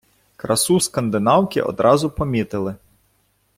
Красу скандинавки одразу помітили.